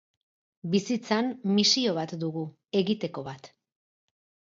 Bizitzan misio bat dugu, egiteko bat.